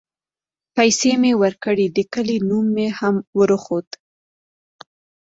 پيسې مې وركړې د كلي نوم مې هم وروښود.